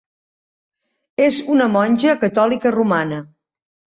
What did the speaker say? És una monja catòlica romana.